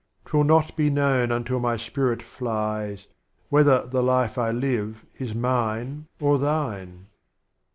'T will not be known until my Spirit flies, Whether the Life I live, is Mine or Thine.